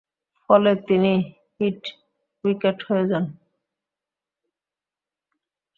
ফলে তিনি "hit wicket" হয়ে যান।